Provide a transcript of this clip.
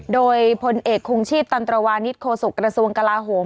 โดยพลเอกคงชีพตันตรวานิสโคศกระทรวงกลาโหม